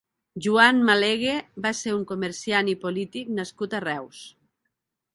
Joan Malegue va ser un comerciant i polític nascut a Reus.